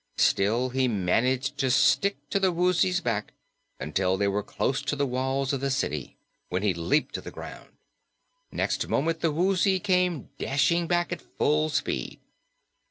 Still, he managed to stick to the Woozy's back until they were close to the walls of the city, when he leaped to the ground. Next moment the Woozy came dashing back at full speed.